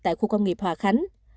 tại khu công nghiệp hòa khánh